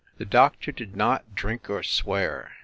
The doctor did not drink or swear.